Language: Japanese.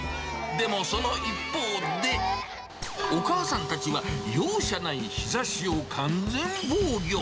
でもその一方で、お母さんたちは容赦ない日ざしを完全防御。